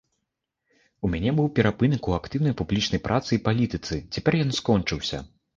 У мяне быў перапынак у актыўнай публічнай працы і палітыцы, цяпер ён скончыўся.